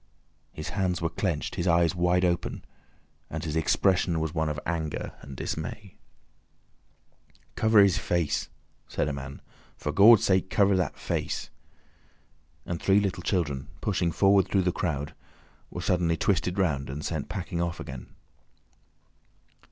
His hands were clenched, his eyes wide open, and his expression was one of anger and dismay. "Cover his face!" said a man. "For Gawd's sake, cover that face!" and three little children, pushing forward through the crowd, were suddenly twisted round and sent packing off again.